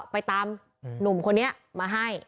ไปตามหนุ่มคนนี้มาให้